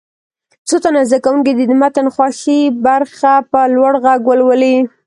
څو تنه زده کوونکي دې د متن خوښې برخه په لوړ غږ ولولي.